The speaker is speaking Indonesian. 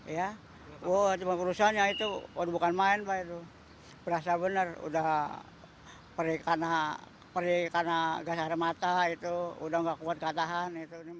ya cuma kerusakannya itu bukan main pak berasa benar udah perih karena gasa remata udah gak kuat keatahan